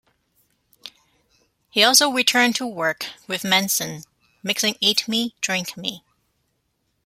He also returned to work with Manson, mixing "Eat Me, Drink Me".